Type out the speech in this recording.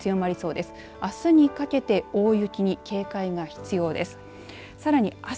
あすにかけて大雪に警戒が必要です。